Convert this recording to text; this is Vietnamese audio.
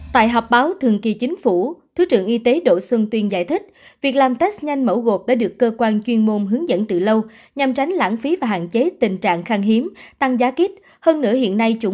tại họp báo thường kỳ chính phủ thứ trưởng y tế đỗ xuân tuyên giải thích việc làm test nhanh mẫu gột đã được cơ quan chuyên môn hướng dẫn từ lâu nhằm tránh lãng phí và hạn chế tình trạng khang hiếm tăng giá kích